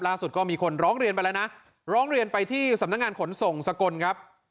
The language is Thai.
ก็มีคนร้องเรียนไปแล้วนะร้องเรียนไปที่สำนักงานขนส่งสกลครับ